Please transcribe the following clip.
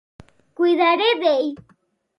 Cuidaré d"ell.